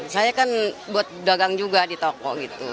saya kan buat dagang juga di toko gitu